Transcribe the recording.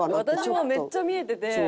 私もめっちゃ見えてて。